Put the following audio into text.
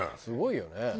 すごいよね。